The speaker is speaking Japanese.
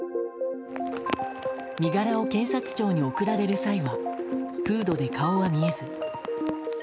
身柄を検察庁に送られる際はフードで顔は見えず。